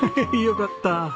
よかった。